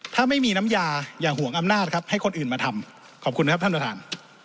ถ้าไม่มีน้ำยาอย่าห่วงอำนาจครับให้คนอื่นมาทำขอบคุณนะครับท่านประธาน